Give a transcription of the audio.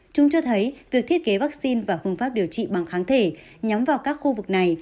chúng cho thấy việc thiết kế vaccine và phương pháp điều trị bằng kháng thể nhắm vào các khu vực này